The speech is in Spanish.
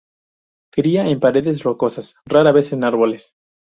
Cría en paredes rocosas, rara vez en árboles.